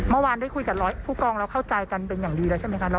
เมื่อวานได้คุยกับผู้กองเราเข้าใจกันเป็นอย่างดีแล้วใช่ไหมคะ